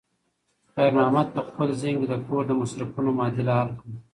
خیر محمد په خپل ذهن کې د کور د مصرفونو معادله حل کړه.